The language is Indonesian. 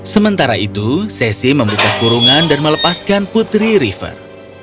sementara itu sesi membuka kurungan dan melepaskan putri river